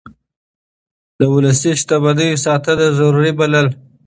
ده د ولسي شتمنيو ساتنه ضروري بلله.